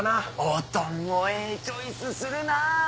おとんもええチョイスするな。